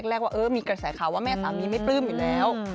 แรกว่าเออมีกระแสข่าวว่าแม่สามีไม่ปลื้มอยู่แล้ว